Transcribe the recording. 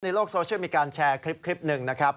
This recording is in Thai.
ในโลกโซเชียลมีการแชร์คลิปหนึ่งนะครับ